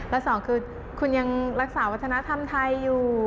และสองคือคุณยังรักษาวัฒนธรรมไทยอยู่